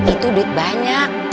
itu duit banyak